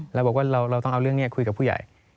เราบอกว่าเราต้องเอาเรื่องนี้คุยกับผู้ใหญ่